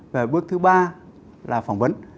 và bước thứ ba là phỏng vấn